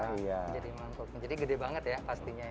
jadi mangkuk jadi gede banget ya pastinya